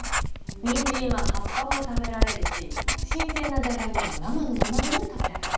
ニンジンは葉っぱも食べられるし新鮮なジャガイモは生のままでも食べられる。